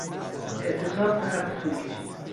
اعتصاب دو هفته طول کشید.